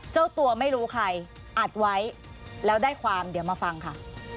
เจ้าตัวไม่รู้ใครอัดไว้แล้วได้ความเดี๋ยวมาฟังค่ะ